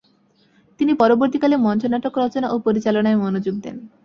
তিনি পরবর্তীকালে মঞ্চনাটক রচনা ও পরিচালনায় মনোযোগ দেন।